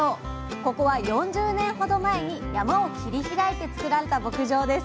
ここは４０年ほど前に山を切り開いて作られた牧場です